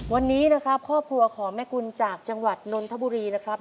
วันนี้นะครับครอบครัวของแม่กุลจากจังหวัดนนทบุรีนะครับ